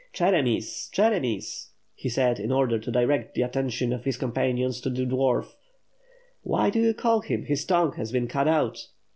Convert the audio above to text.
"Cheremisl Cheremis!" he said, in order to direct the at tention of his companions to the dwarf. "Why do you call him, his tongue has been cut out."